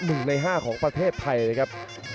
จากอันดับ๑ใน๕ของประเทศไทยครับ